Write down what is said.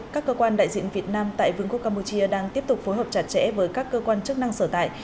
các cơ quan đại diện việt nam tại vương quốc campuchia đang tiếp tục phối hợp chặt chẽ với các cơ quan chức năng sở tại